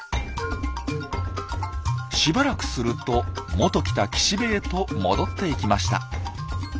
しばらくするともと来た岸辺へと戻っていきました。